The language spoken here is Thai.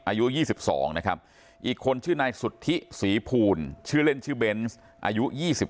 อายุ๒๒นะครับอีกคนชื่อนายสุธิศรีภูลชื่อเล่นชื่อเบนส์อายุ๒๓